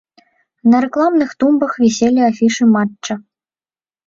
На рэкламных тумбах віселі афішы матча.